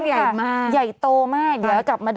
อุบาลดริมน้ำค่ะใหญ่โตมากเดี๋ยวกลับมาดู